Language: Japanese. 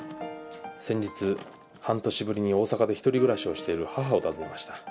先日半年ぶりに大阪でひとり暮らしをしている母を訪ねました。